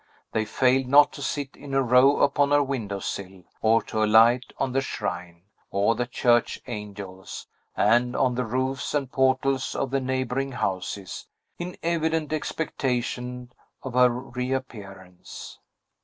They failed not to sit in a row upon her window sill, or to alight on the shrine, or the church angels, and on the roofs and portals of the neighboring houses, in evident expectation of her reappearance.